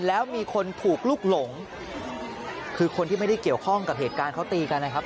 แล้วมีคนถูกลุกหลงคือคนที่ไม่ได้เกี่ยวข้องกับเหตุการณ์เขาตีกันนะครับ